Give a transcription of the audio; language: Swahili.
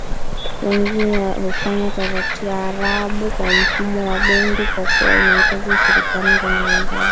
Wengi hufanya taarabu kwa mfumo wa bendi kwa kuwa inahitaji ushirikiano kwenye uimbaji